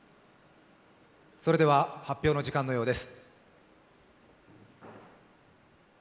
それでは発表の時間のようです。